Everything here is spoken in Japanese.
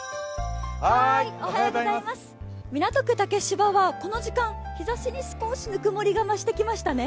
港区竹芝はこの時間、日ざしに少しぬくもりが増してきましたね。